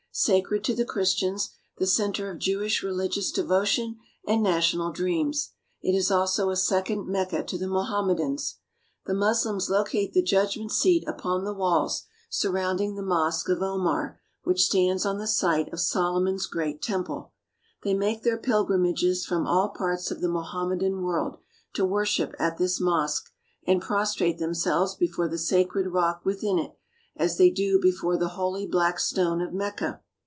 Sacred to the Christians, the centre of Jewish religious devotion and national dreams, it is also a second Mecca to the Mohammedans. The Moslems locate the judgment seat upon the walls sur rounding the Mosque of Omar, which stands on the site of Solomon's great temple. They make their pilgrimages from all parts of the Mohammedan world to worship at this mosque, and prostrate themselves before the sacred rock within it as they do before the holy black stone of Mecca.